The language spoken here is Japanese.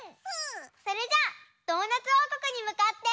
それじゃあドーナツおうこくにむかって。